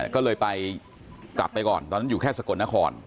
ก็เลยไปกลับไปก่อนตอนนั้นอยู่แค่สกลนคร